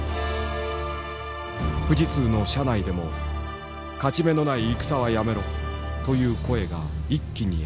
富士通の社内でも「勝ち目のない戦はやめろ」という声が一気にあがった。